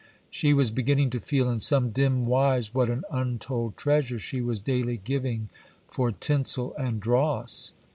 She was beginning to feel in some dim wise what an untold treasure she was daily giving for tinsel and dross.